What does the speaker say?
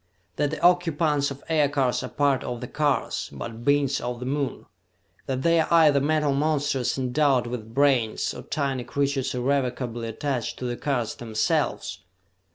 "That the occupants of aircars are part of the cars, but Beings of the Moon! That they are either metal monsters endowed with brains or tiny creatures irrevocably attached to the cars themselves!"